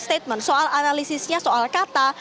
statement soal analisisnya soal kata